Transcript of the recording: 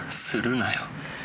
するなよ。